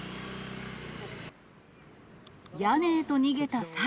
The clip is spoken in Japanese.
屋根へと逃げた猿。